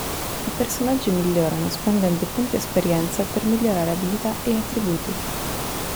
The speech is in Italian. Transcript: I personaggi migliorano spendendo punti esperienza per migliorare abilità e attributi.